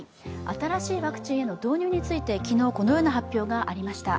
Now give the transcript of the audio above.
新しいワクチンへの導入について昨日、このような発表がありました。